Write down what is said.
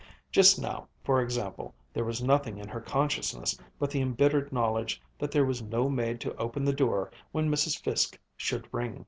Just now, for example, there was nothing in her consciousness but the embittered knowledge that there was no maid to open the door when Mrs. Fiske should ring.